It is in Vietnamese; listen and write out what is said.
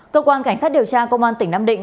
cơ quan cảnh sát điều tra công an tỉnh nam định